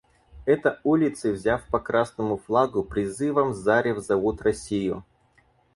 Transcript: Это улицы, взяв по красному флагу, призывом зарев зовут Россию.